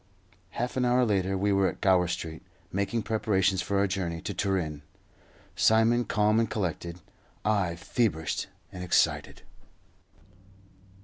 Half an hour later, we were at Gower Street, making preparations for our journey to Turin Simon calm and collected, I feverish and excited.